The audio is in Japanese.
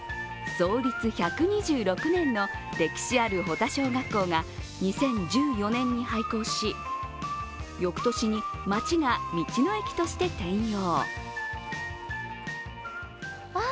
創立１２６年の歴史ある保田小学校が２０１４年に廃校し翌年に町が道の駅として転用。